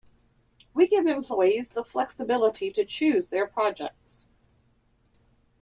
We give employees the flexibility to choose their projects.